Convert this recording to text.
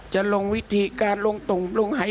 จะลงวิธีการลงตุ๋งลงไฮ